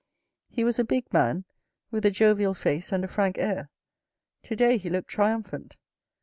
He was a big man with a jovial face and a frank air. To day he looked triumphant.